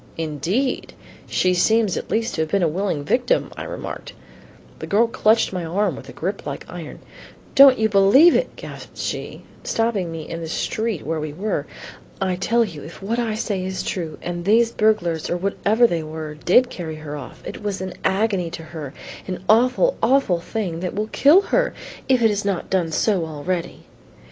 "Indeed! she seems at least to have been a willing victim," I remarked. The woman clutched my arm with a grip like iron. "Don't you believe it," gasped she, stopping me in the street where we were. "I tell you if what I say is true, and these burglars or whatever they were, did carry her off, it was an agony to her, an awful, awful thing that will kill her if it has not done so already.